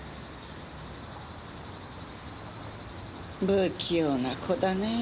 不器用な子だねぇ。